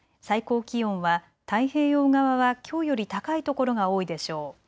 最高気温は太平洋側はきょうより高い所が多いでしょう。